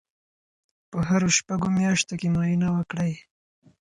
په هرو شپږو میاشتو کې معاینه وکړئ.